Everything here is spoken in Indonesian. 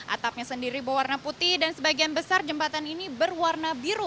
atapnya sendiri berwarna putih dan sebagian besar jembatan ini berwarna biru